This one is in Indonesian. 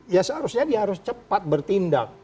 ya seharusnya dia harus cepat bertindak